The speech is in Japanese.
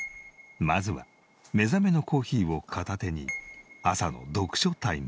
まずは目覚めのコーヒーを片手に朝の読書タイム。